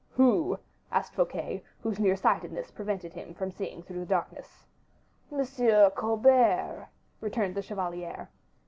"Who?" asked Fouquet, whose near sightedness prevented him from seeing through the darkness. "M. Colbert," returned the chevalier.